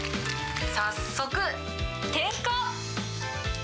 早速、点火。